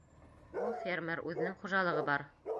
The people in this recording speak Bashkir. Ул — фермер, үҙенең хужалығы бар.